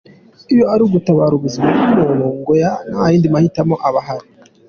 Iyo ari ugutabara ubuzima bw’umuntu , ngo ntayandi mahitamo aba ahari.